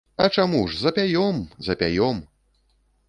А чаму ж, запяём, запяём.